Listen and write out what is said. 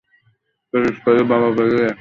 সতীশ কহিল, বাবা বেরিয়ে গেছেন, তাঁর আসতে দেরি হবে।